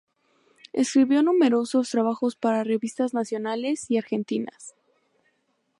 Escribió numerosos trabajos para revistas nacionales y argentinas.